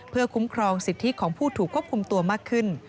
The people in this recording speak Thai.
เพื่อคุ้มครองสิทธิของผู้ถูกควบคุมตัวมากขึ้น